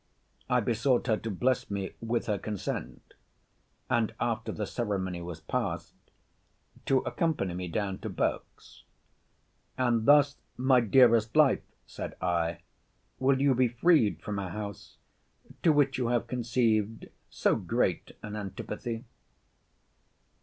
I besought her to bless me with her consent; and, after the ceremony was passed, to accompany me down to Berks. And thus, my dearest life, said I, will you be freed from a house, to which you have conceived so great an antipathy.